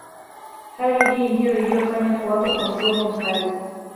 Hali hii ndiyo iliyofanya kuwapo kwa mgomo mkali